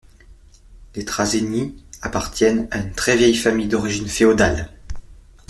Les Trazegnies appartiennent à une très vieille famille d'origine féodale.